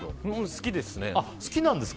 好きですね。